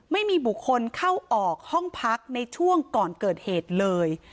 ไม่มีบุคคลเข้าออกห้องพักในช่วงก่อนเกิดเหตุเลย